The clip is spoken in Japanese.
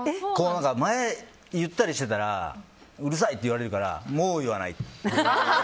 前、言ったりしてたらうるさいって言われたからもう言わない。